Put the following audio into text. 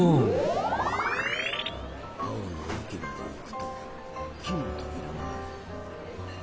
青の池まで行くと木の扉がある。